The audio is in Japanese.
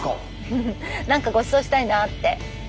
フフフ何かごちそうしたいなって。